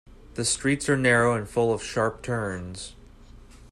The streets are narrow and full of sharp turns.